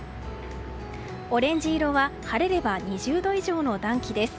オレンジ色は晴れれば２０度以上の暖気です。